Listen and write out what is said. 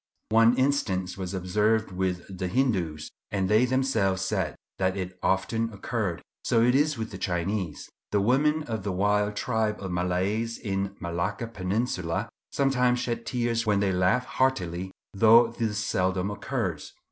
One instance was observed with the Hindoos, and they themselves said that it often occurred. So it is with the Chinese. The women of a wild tribe of Malays in the Malacca peninsula, sometimes shed tears when they laugh heartily, though this seldom occurs.